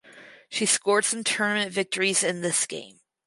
She scored some tournament victories in this game.